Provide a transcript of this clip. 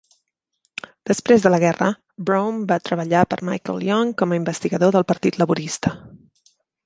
Després de la guerra, Brome va treballar per Michael Young com a investigador del Partit Laborista.